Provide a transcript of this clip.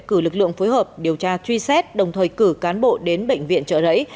cử lực lượng phối hợp điều tra truy xét đồng thời cử cán bộ đến bệnh viện trợ rẫy